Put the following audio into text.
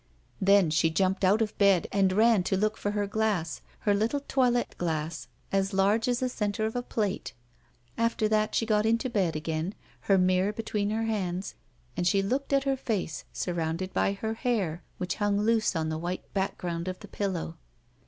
Then she jumped out of bed and ran to look for her glass, her little toilette glass, as large as the center of a plate; after that, she got into bed again, her mirror between her hands; and she looked at her face surrounded by her hair which hung loose on the white background of the pillow.